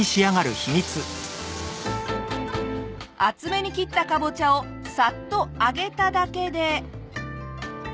厚めに切ったカボチャをサッと揚げただけで。